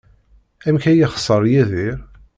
Amek ay yexṣer Yidir?